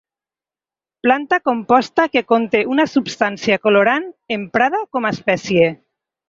Planta composta que conté una substància colorant emprada com a espècia.